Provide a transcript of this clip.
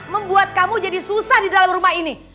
membuat kamu jadi susah di dalam rumah ini